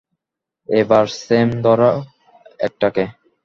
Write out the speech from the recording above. এবার স্যাম, ধরো একটাকে!